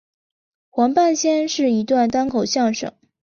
黄半仙是一段单口相声。